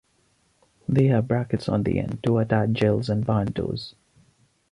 They have brackets on the end to attach gels and barn doors.